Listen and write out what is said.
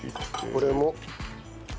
これも。